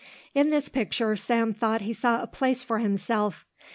In this picture Sam thought he saw a place for himself.